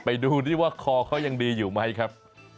ไปดูดิว่าคอเขายังดีอยู่ไหมครับ